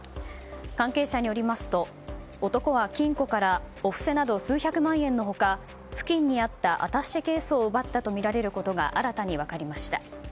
関係者によりますと男は金庫からお布施など数百万円の他付近にあったアタッシェケースを奪ったとみられることが新たに分かりました。